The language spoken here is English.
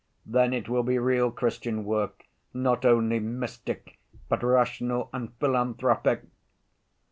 Then it will be real Christian work, not only mystic, but rational and philanthropic...."